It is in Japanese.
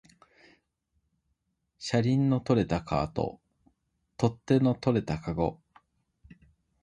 車輪の取れたカート、取っ手の取れたかご